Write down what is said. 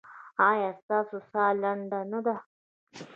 ایا ستاسو ساه لنډه نه ده؟